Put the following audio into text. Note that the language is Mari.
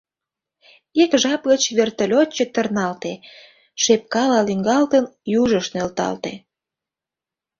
Ик жап гыч вертолёт чытырналте, шепкала лӱҥгалтын, южыш нӧлталте.